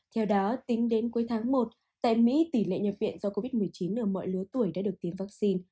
theo đó tính đến cuối tháng một tại mỹ tỷ lệ nhập viện do covid một mươi chín ở mọi lứa tuổi đã được tiêm vaccine